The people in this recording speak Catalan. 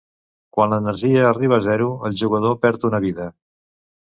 Quan l'energia arriba a zero, el jugador perd una vida.